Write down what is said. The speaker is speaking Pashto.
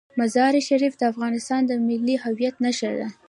مزارشریف د افغانستان د ملي هویت نښه ده.